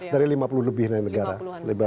dari lima puluh lebih dari negara